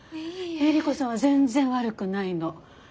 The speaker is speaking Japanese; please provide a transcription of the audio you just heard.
エリコさんは全然悪くないの。